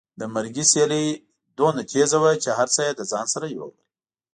د مرګي سیلۍ دومره تېزه وه چې هر څه یې له ځان سره یوړل.